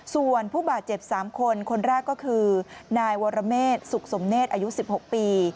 ส่วนผู้บาดเจ็บ๓คนคนแรกก็คือนายวรเมษสุขสมเนธอายุ๑๖ปี